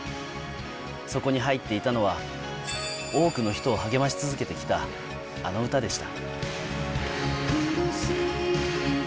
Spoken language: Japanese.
そこに入っていたのは、多くの人を励まし続けてきた、あの歌でした。